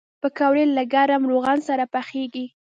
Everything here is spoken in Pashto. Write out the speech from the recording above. پکورې له ګرم روغن سره پخېږي